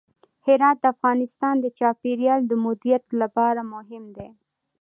هرات د افغانستان د چاپیریال د مدیریت لپاره مهم دي.